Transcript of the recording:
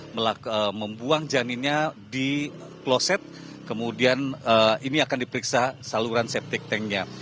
mereka membuang janinnya di kloset kemudian ini akan diperiksa saluran septic tanknya